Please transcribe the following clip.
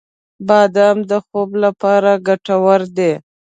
• بادام د خوب لپاره ګټور دی.